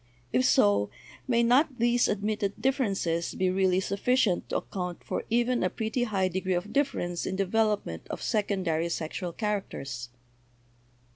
If so, may not these admitted differences be really sufficient to account for even a pretty high degree of difference in development of secondary sexual characters?